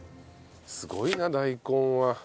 すごいな大根は。